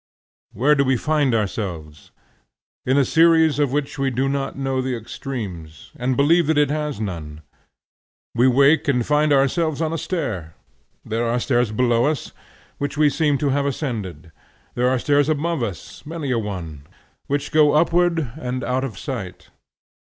WHERE do we find ourselves? In a series of which we do not know the extremes, and believe that it has none. We wake and find ourselves on a stair; there are stairs below us, which we seem to have ascended; there are stairs above us, many a one, which go upward and out of sight.